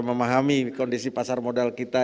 memahami kondisi pasar modal kita